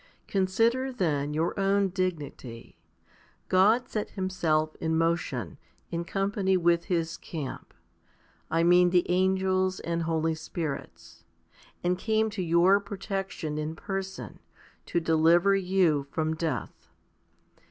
Consider then your own dignity. God set Him self in motion, in company with His camp I mean the angels and holy spirits and came to your protection in person, to deliver you from death.